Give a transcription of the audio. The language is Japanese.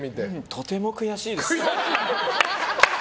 とても悔しいです。